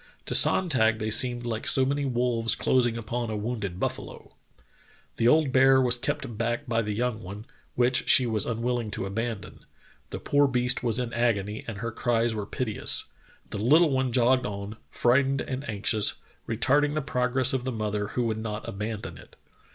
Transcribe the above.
To Sonntag they seemed like so many wolves closing upon a wounded buffalo. The old bear was kept back by the young one, which she was unwilling to abandon. The poor beast was in agony and her cries were piteous. The little one jogged on, frightened and anxious, retarding the progress of the mother who would not abandon it.